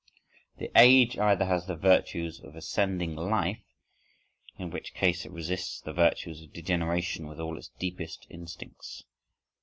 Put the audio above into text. The age either has the virtues of ascending life, in which case it resists the virtues of degeneration with all its deepest instincts.